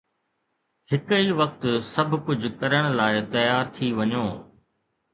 هڪ ئي وقت سڀ ڪجهه ڪرڻ لاءِ تيار ٿي وڃو